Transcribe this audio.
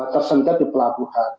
tersendat di pelabuhan